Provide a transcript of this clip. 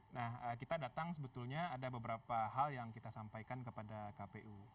nah kita datang sebetulnya ada beberapa hal yang kita sampaikan kepada kpu